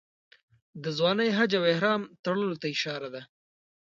د ځوانۍ حج او احرام تړلو ته اشاره ده.